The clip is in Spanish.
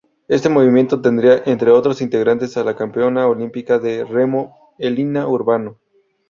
Este movimiento tendría, entre otros integrantes a la campeona olímpica de remo Elina Urbano.